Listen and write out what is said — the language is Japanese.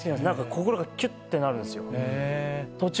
何か心がきゅってなるんですよ。